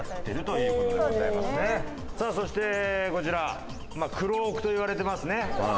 さあそしてこちらクロークといわれてますね。